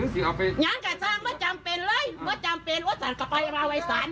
พิษโดยสภาพหรือมันเจ้าสิจอดหรือสิเอาไปไม่จำเป็นเลย